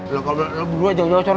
ya bang nih ya bang